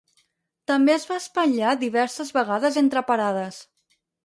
També es va espatllar diverses vegades entre parades.